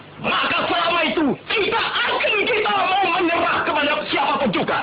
maka selama itu kita akan menyerah kepada siapa pun juga